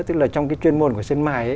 tức là trong cái chuyên môn của sân mài